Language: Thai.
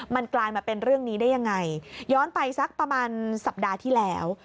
มันกลายมาเป็นเรื่องนี้ได้ยังไงย้อนไปสักประมาณสัปดาห์ที่แล้ว